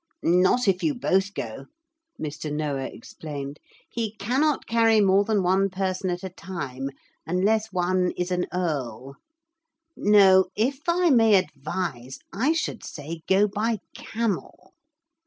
'Not if you both go,' Mr. Noah explained. 'He cannot carry more than one person at a time unless one is an Earl. No, if I may advise, I should say go by camel.'